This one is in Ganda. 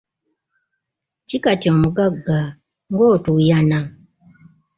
Ki kati omugagga, ng'otuuyana.